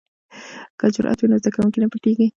که جرئت وي نو زده کوونکی نه پټیږي.